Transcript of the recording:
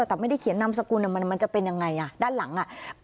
แต่ไม่ได้เขียนนามสกุลมันจะเป็นอย่างไรด้านหลัง